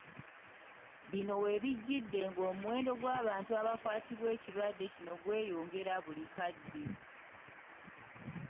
Bino we bijjidde ng'omuwendo gw’abantu abakwatibwa ekirwadde kino gweyongera buli kadde.